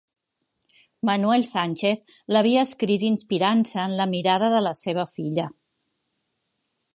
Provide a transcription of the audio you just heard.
Manuel Sánchez l'havia escrit inspirant-se en la mirada de la seva filla.